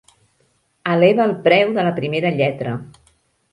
Eleva el preu de la primera lletra.